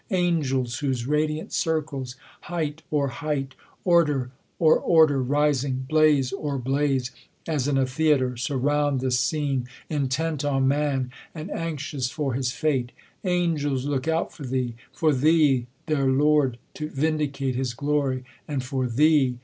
Angels, whose radiant circles, height o'er height, Order o'er order rising, blaze o'er blaze, As in a theatre, surround this scene. Intent on man, and anxious for his fate : Angels look out for thee ; for thee, their Lord, To vindicate his glory ; and for thee.